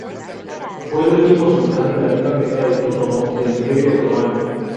Fue el último sultán relativamente autónomo del Imperio otomano.